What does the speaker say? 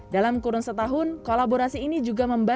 dalam kurun setahun kolaborasi ini juga memperbaiki